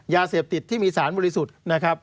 ยาเสพติดที่มีสารบริสุทธิ์นะครับ